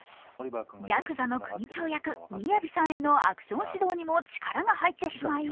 やくざの組長役ＭＩＹＡＶＩさんへのアクション指導にも力が入ってしまい